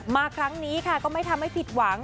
มาครั้งนี้ค่ะก็ไม่ทำให้ผิดหวัง